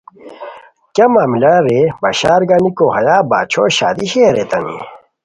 کیہ معاملہ رے بشار گانیکو ہیا باچھو شادی شیر ریتانی